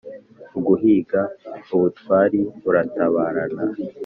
uguhiga ubutwari muratabarana.